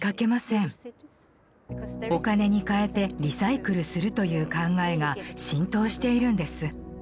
お金に換えてリサイクルするという考えが浸透しているんです。